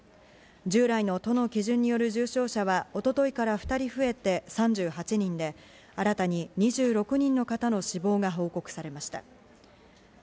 従来の都の基準による重症者は一昨日から２人増えて３８人で、新たに２６人の方の死亡が報告されました。